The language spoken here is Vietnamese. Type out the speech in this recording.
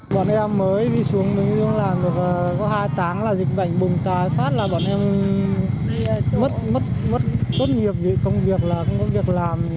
bọn em mới đi xuống làm có hai tháng là dịch bệnh bùng tái phát là bọn em mất mất tốt nghiệp vì công việc là không có việc làm